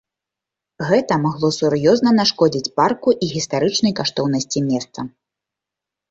Гэта магло сур'ёзна нашкодзіць парку і гістарычнай каштоўнасці места.